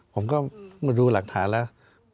ผมก็มาดูหลักฐานแล้ว